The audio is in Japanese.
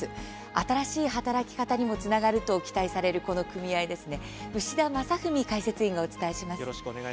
新しい働き方にもつながると期待される、この組合牛田正史解説委員がお伝えします。